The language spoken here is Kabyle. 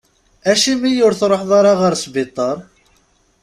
Acimi ur truḥeḍ ara ɣer sbiṭar?